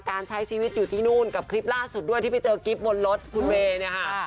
การใช้ชีวิตอยู่ที่นู่นกับคลิปล่าสุดด้วยที่ไปเจอกิฟต์บนรถคุณเวย์